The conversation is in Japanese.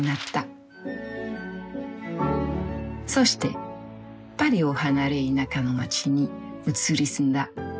そしてパリを離れ田舎の街に移り住んだ。